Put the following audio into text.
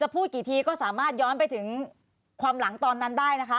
พูดกี่ทีก็สามารถย้อนไปถึงความหลังตอนนั้นได้นะคะ